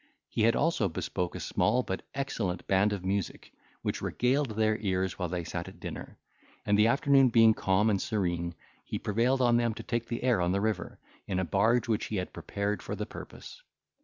He had also bespoke a small but excellent band of music, which regaled their ears while they sat at dinner; and the afternoon being calm and serene, he prevailed on them to take the air on the river, in a barge which he had prepared for the purpose.